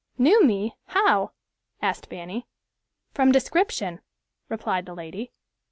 "Knew me! How?" asked Fanny. "From description," replied the lady.